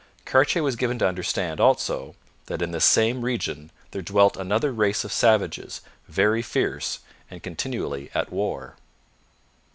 Cartier was given to understand, also, that in this same region there dwelt another race of savages, very fierce, and continually at war.